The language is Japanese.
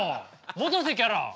戻せキャラ。